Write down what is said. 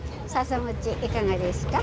笹餅いかがですか？